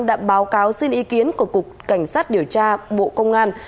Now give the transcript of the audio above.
đã báo cáo xin ý kiến của cục cảnh sát điều tra bộ công an